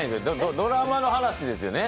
ドラマの話ですよね。